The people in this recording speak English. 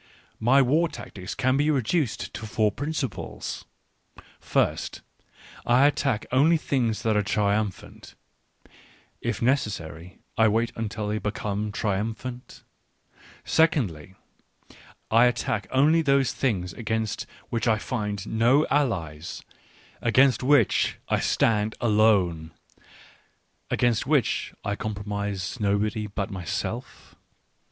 My war tactics can be reduced to four principles :\First, I attack X only things that are triumphant — lT necessary I N wait until they become triumphant. Secondly, I attack only those things against which I find no Digitized by Google 24 ECCE HOMO allies, against which I stand alone — against which I compromise nobody but myself.